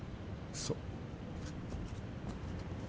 そう。